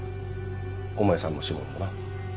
お前さんの指紋もな。